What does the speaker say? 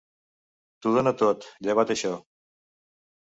T'ho dona tot, llevat això.